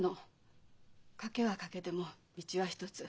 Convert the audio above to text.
賭けは賭けでも道は一つ。